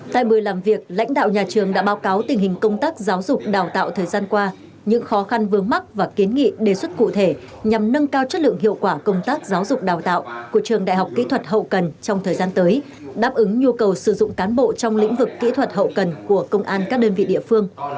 tại buổi làm việc lãnh đạo nhà trường đã báo cáo tình hình công tác giáo dục đào tạo thời gian qua những khó khăn vướng mắt và kiến nghị đề xuất cụ thể nhằm nâng cao chất lượng hiệu quả công tác giáo dục đào tạo của trường đại học kỹ thuật hậu cần trong thời gian tới đáp ứng nhu cầu sử dụng cán bộ trong lĩnh vực kỹ thuật hậu cần của công an các đơn vị địa phương